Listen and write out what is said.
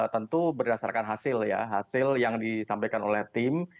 tentu berdasarkan hasil ya hasil yang disampaikan oleh tim